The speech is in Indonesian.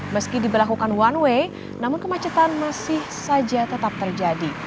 meski diberlakukan one way namun kemacetan masih saja tetap terjadi